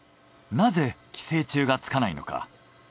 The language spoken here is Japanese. なぜ寄生虫がつかないのか？